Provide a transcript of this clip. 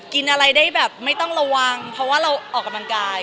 กินอะไรได้แบบไม่ต้องระวังเพราะว่าเราออกกำลังกาย